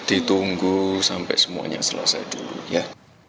ditunggu sampai semuanya selesai dulu ya